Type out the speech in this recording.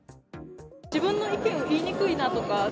自分の意見を言いにくいなとか。